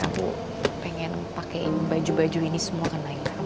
aku pengen pakein baju baju ini semua ke nailah